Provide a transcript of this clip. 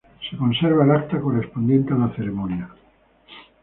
Se conserva el acta correspondiente a la ceremonia.